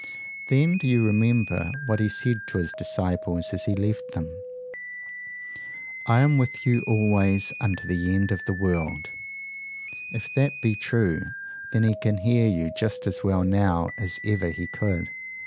Then do you remember what he said to his disciples as he left them: 'I AM WITH YOU ALWAYS UNTO THE END OF THE WORLD'? If that be true, then he can hear you just as well now as ever he could.